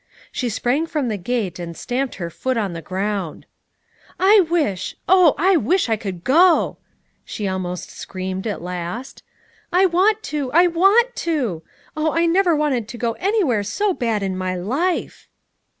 She sprang from the gate, and stamped her foot on the ground. "I wish oh, I wish I could go!" she almost screamed at last. "I want to I want to! Oh, I never wanted to go anywhere so bad in my life!"